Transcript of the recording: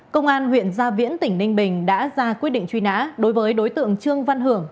công an huyện gia viễn tỉnh ninh bình đã ra quyết định truy nã đối với đối tượng trương văn hưởng